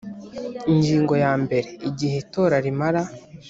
Ingingo ya mbere Igihe itora rimara